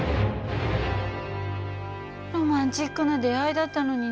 ロマンチックな出会いだったのにね。